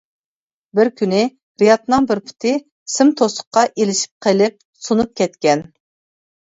بىر كۈنى رىيادنىڭ بىر پۇتى سىم توسۇققا ئىلىشىپ قېلىپ سۇنۇپ كەتكەن.